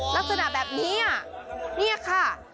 ลักษณะแบบนี้เนี่ยค่ะ